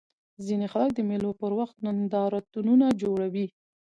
ځيني خلک د مېلو پر وخت نندارتونونه جوړوي.